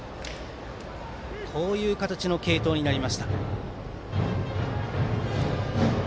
こういう形の継投になりました。